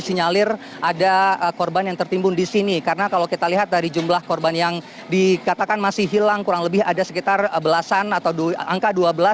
disinyalir ada korban yang tertimbun di sini karena kalau kita lihat dari jumlah korban yang dikatakan masih hilang kurang lebih ada sekitar belasan atau angka dua belas